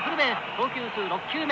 投球数６球目。